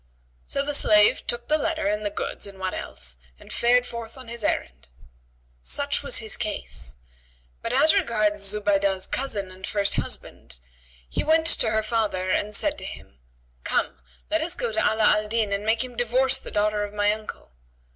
So the slave took the letter and the goods and what else and fared forth on his errand. Such was his case; but as regards Zubaydah's cousin and first husband, he went to her father and said to him, "Come let us go to Ala al Din and make him divorce the daughter of my uncle."